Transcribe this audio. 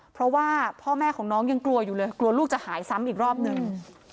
เพราะว่าพ่อแม่ของน้องยังกลัวอยู่เลยกลัวลูกจะหายซ้ำอีกรอบหนึ่ง